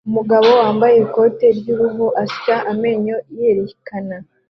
Umugabo wambaye ikoti ry'uruhu asya amenyo yerekana